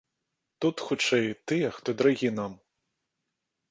Тут, хутчэй, тыя, хто дарагі нам.